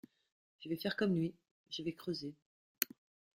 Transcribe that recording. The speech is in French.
Je vais faire comme lui, je vais creuser.